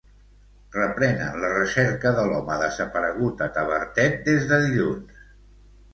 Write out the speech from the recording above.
Reprenen la recerca de l'home desaparegut a Tavertet des de dilluns.